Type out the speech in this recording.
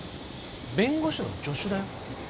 弁護士の助手だよ。